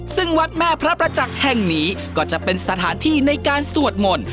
ซึ่งวัดแม่พระประจักษ์แห่งนี้ก็จะเป็นสถานที่ในการสวดมนต์